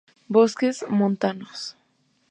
Bosques montanos.